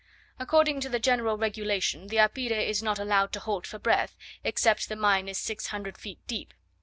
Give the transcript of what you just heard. According to the general regulation, the apire is not allowed to halt for breath, except the mine is six hundred feet deep.